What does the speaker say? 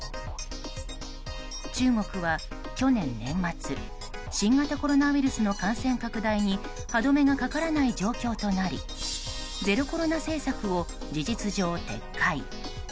中国は、去年年末新型コロナウイルスの感染拡大に歯止めがかからない状況となりゼロコロナ政策を事実上撤回。